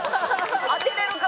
当てれるか！